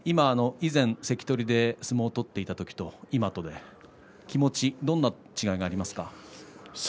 以前関取で相撲を取っていたときと今とで気持ち、どんな違いがありますか。